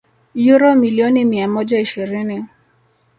uro milioni mia moja ishirini